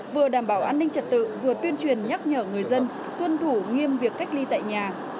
vừa đảm bảo an ninh trật tự vừa tuyên truyền nhắc nhở người dân tuân thủ nghiêm việc cách ly tại nhà